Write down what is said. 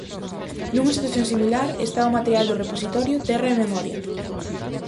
Nunha situación similar está o material do repositorio Terra e Memoria.